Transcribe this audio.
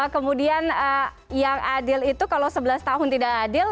kemudian yang adil itu kalau sebelas tahun tidak adil